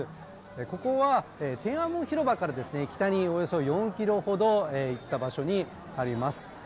ここは天安門広場から北に４ｋｍほど行った場所になります。